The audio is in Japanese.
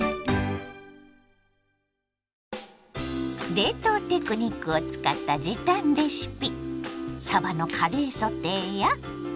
冷凍テクニックを使った時短レシピ。